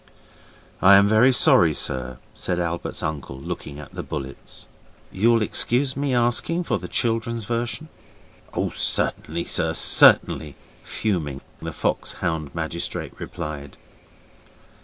'I am very sorry, sir' said Albert's uncle, looking at the bullets. 'You'll excuse my asking for the children's version?' 'Oh, certainly, sir, certainly,' fuming, the fox hound magistrate replied.